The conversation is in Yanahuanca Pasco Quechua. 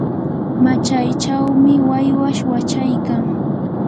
machaychawmi waywash wachaykan.